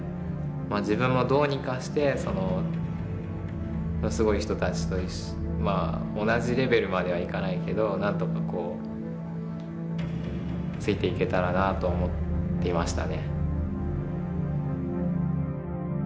自分もどうにかしてすごい人たちと同じレベルまではいかないけどなんとかついていけたらなと思っていましたね。